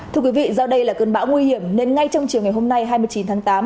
thưa quý vị do đây là cơn bão nguy hiểm nên ngay trong chiều ngày hôm nay hai mươi chín tháng tám